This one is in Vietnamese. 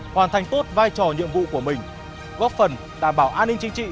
hoàn thành tốt vai trò nhiệm vụ của mình góp phần đảm bảo an ninh chính trị